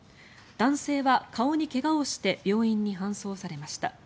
男性は顔に怪我をして病院に搬送されました。